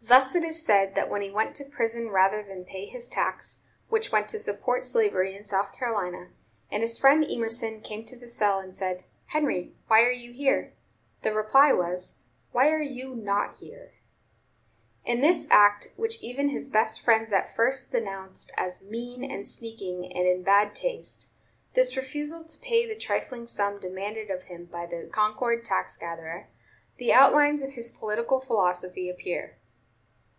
Thus it is said that when he went to prison rather than pay his tax, which went to support slavery in South Carolina, and his friend Emerson came to the cell and said, "Henry, why are you here?" the reply was, "Why are you not here?" In this act, which even his best friends at first denounced as "mean and sneaking and in bad taste," this refusal to pay the trifling sum demanded of him by the Concord tax gatherer, the outlines of his political philosophy appear.